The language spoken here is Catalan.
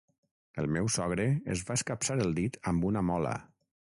El meu sogre es va escapçar el dit amb una mola